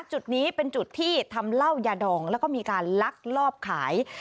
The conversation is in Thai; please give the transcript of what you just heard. จุดนี้เป็นจุดที่ทำเหล้ายาดองแล้วก็มีการลักลอบขาย